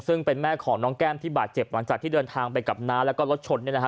ซึ่งเป็นแม่ของน้องแก้มที่บาดเจ็บหลังจากที่เดินทางไปกับน้าแล้วก็รถชนเนี่ยนะฮะ